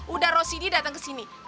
uda rosidi dateng kesini